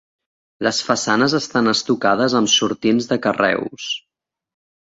Les façanes estan estucades amb sortints de carreus.